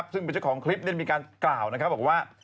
ซึ่งบัญชากองคลิปมีการกล่าวว่า